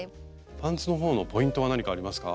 パンツの方のポイントは何かありますか？